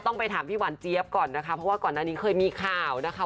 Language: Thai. ไปถามพี่หวานเจี๊ยบก่อนนะคะเพราะว่าก่อนหน้านี้เคยมีข่าวนะคะ